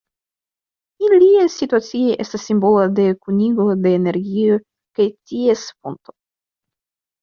Ilia situo estas simbolo de kunigo de energio kaj ties fonto.